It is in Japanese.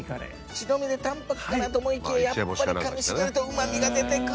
白身で淡泊かなと思いきやかみしめるとうまみが出てくる。